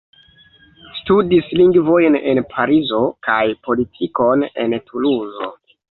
Studis lingvojn en Parizo kaj politikon en Tuluzo.